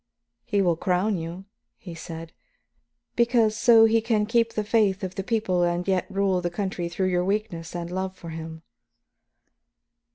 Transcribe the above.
"'He will crown you,' he said, 'because so he can keep the faith of the people and yet rule the country through your weakness and love for him.'"